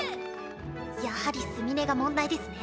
やはりすみれが問題ですね。